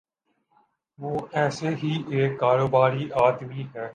وہ ایسے ہی ایک کاروباری آدمی ہیں۔